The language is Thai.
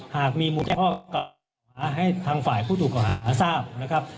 นะครับหากมีให้ทางฝ่ายผู้ถูกก่อหาทราบนะครับ